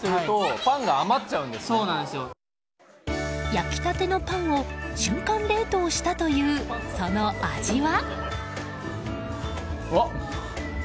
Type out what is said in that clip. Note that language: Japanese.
焼きたてのパンを瞬間冷凍したという、その味は？